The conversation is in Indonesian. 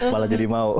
malah jadi mau